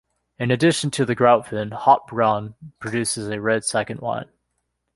In addition to the "grand vin", Haut-Brion produces a red second wine.